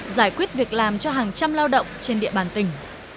giải quyết việc làm cho hàng trăm lao động trên địa bàn tỉnh